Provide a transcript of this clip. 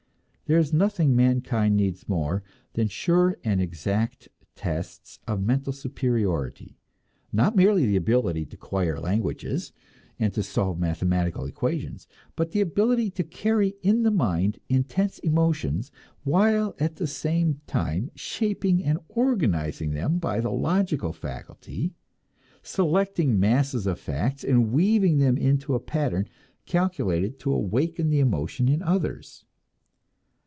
There is nothing mankind needs more than sure and exact tests of mental superiority; not merely the ability to acquire languages and to solve mathematical equations, but the ability to carry in the mind intense emotions, while at the same time shaping and organizing them by the logical faculty, selecting masses of facts and weaving them into a pattern calculated to awaken the emotion in others.